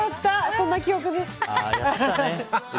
そんな記憶です。